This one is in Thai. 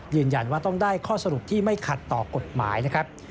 ยืนยันว่าต้องได้ข้อสรุปที่ไม่ขัดต่อกฎหมายนะครับ